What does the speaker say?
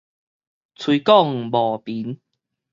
喙講無憑